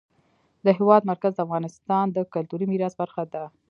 د هېواد مرکز د افغانستان د کلتوري میراث برخه ده.